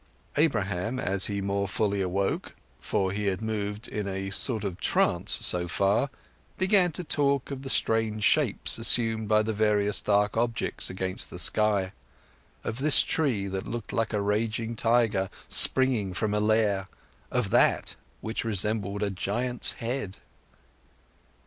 Abraham, as he more fully awoke (for he had moved in a sort of trance so far), began to talk of the strange shapes assumed by the various dark objects against the sky; of this tree that looked like a raging tiger springing from a lair; of that which resembled a giant's head.